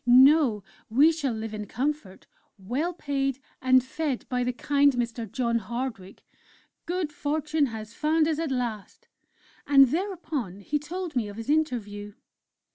No! we shall live in comfort, well paid, and fed by the kind Mr. John Hardwick.... Good Fortune has found us at last!" And thereupon he told me of his interview.